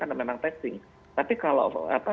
karena memang testing tapi kalau